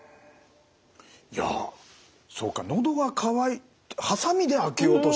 いやそうかのどが渇いハサミで開けようとしたっていう。